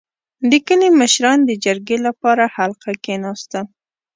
• د کلي مشران د جرګې لپاره حلقه کښېناستل.